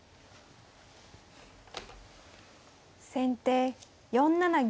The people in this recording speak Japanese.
先手４七銀。